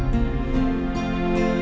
gak lebih gampang